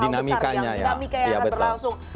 dinamika yang akan berlangsung